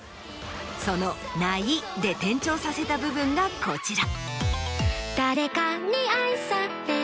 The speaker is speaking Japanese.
その「ない」で転調させた部分がこちら。